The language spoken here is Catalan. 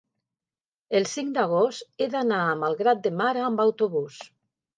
el cinc d'agost he d'anar a Malgrat de Mar amb autobús.